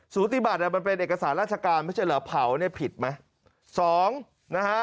๑สูติบัติมันเป็นเอกสารราชการไม่ใช่เหรอเผาเนี่ยผิดมั้ย